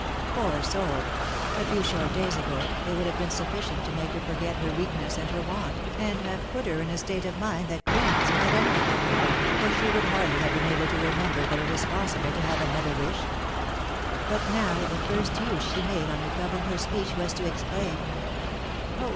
Poor soul ! a few short days ago it would have been sufficient to make her forget her weak ness and her want, and have put her in a state of mind that queens might envy ; for she would hardly have been able to remember that it was possible to have another wish ; but now the first use she made on recovering her speech, was to exclaim, " Oh